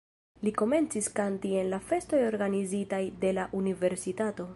Li komencis kanti en la festoj organizitaj de la universitato.